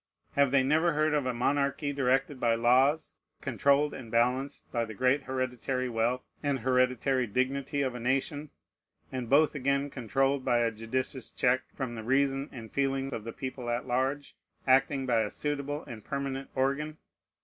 Have they never heard of a monarchy directed by laws, controlled and balanced by the great hereditary wealth and hereditary dignity of a nation, and both again controlled by a judicious check from the reason and feeling of the people at large, acting by a suitable and permanent organ?